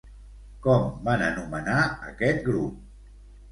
Com van anomenar aquest grup?